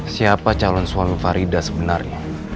siapa calon suami farida sebenarnya